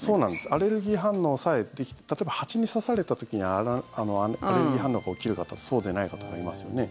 アレルギー反応さえ例えば蜂に刺された時にアレルギー反応が起きる方とそうでない方がいますよね。